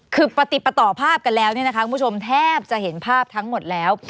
คือปฏิปต่อภาพกันแล้วเนี่ยนะคะคุณผู้ชมแทบจะเห็นภาพทั้งหมดแล้ว